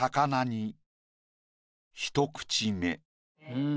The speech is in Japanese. うん。